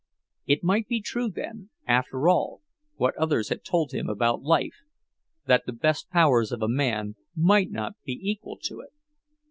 It might be true, then, after all, what others had told him about life, that the best powers of a man might not be equal to it!